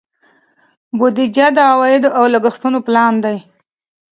بودیجه د عوایدو او لګښتونو پلان دی.